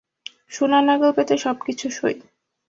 সোনার নাগাল পেতে সবকিছু সই।